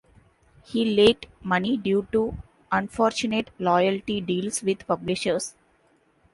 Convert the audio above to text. He lacked money due to unfortunate royalty deals with publishers.